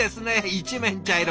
一面茶色。